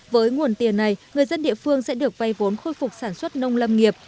với nguồn tiền này người dân địa phương sẽ được vay vốn khôi phục sản xuất nông lâm nghiệp